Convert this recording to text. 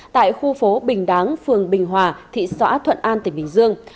tại khu phố bình đáng phường bình hòa thị xã thuận an tỉnh bình dương